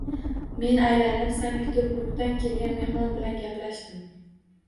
Men aylanib, Sankt -Peterburgdan kelgan mehmon bilan gaplashdim